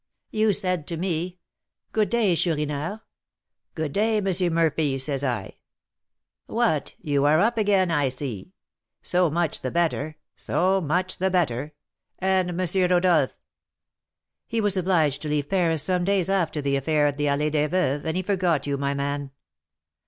"You said to me, 'Good day, Chourineur.' 'Good day, M. Murphy,' says I. 'What, you are up again, I see! So much the better, so much the better. And M. Rodolph?' 'He was obliged to leave Paris some days after the affair of the Allée des Veuves, and he forgot you, my man.'